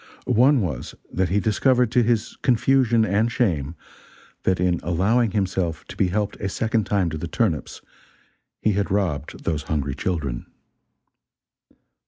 One was, that he discovered, to his confusion and shame, that in allowing himself to be helped a second time to the turnips, he had robbed those hungry children.